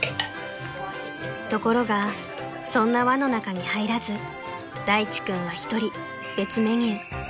［ところがそんな輪の中に入らず大地君は一人別メニュー］